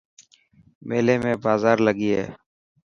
ميلي ۾ بازار لگي هي.